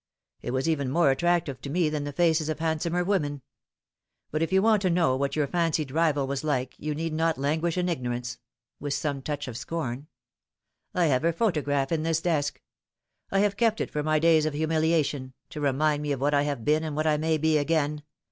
It was even more attractive to me than the faces of handsomer women. But if you want to know what your fancied rival was like you need not languish in ignorance," with some touch of scorn. " I have her photograph in this desk. I have kept it for my days of humiliation, to remind me of what I have been and what I may be again.